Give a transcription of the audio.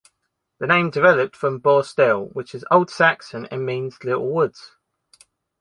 The name developed from "Borstel" which is Old Saxon and means "little woods".